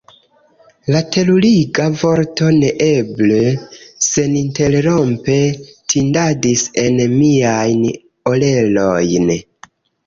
La teruriga vorto "neeble!" seninterrompe tintadis en miajn orelojn.